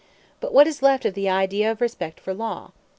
But what is left of the idea of respect for law?